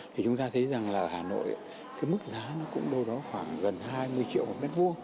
thì chúng ta thấy rằng là ở hà nội cái mức giá nó cũng đôi đó khoảng gần hai mươi triệu một m hai